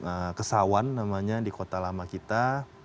itu di kawasan kesawan namanya di kota lama kita